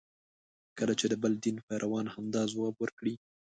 کله چې د بل دین پیروان همدا ځواب ورکړي.